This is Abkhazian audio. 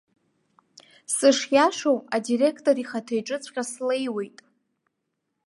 Сышиашоу адиректор ихаҭа иҿыҵәҟьа слеиуеит.